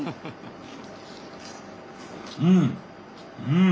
うん！